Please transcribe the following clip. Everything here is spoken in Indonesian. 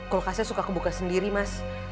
kulkasnya suka kebuka sendiri mas